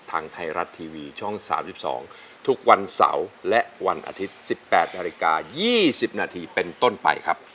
ทางไทยรัฐทีวีช่อง๓๒ทุกวันเสาร์และวันอาทิตย์๑๘นาฬิกา๒๐นาทีเป็นต้นไปครับ